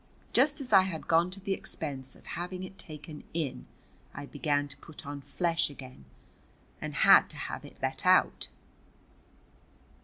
Just as I had gone to the expense of having it taken in I began to put on flesh again, and had to have it let out.